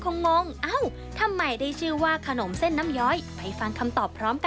น้ำมันก็คือว่ามันย้อยอยู่นะคะ